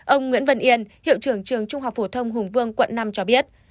ông nguyễn văn yên hiệu trưởng trường trung học phổ thông hùng vương quận năm cho biết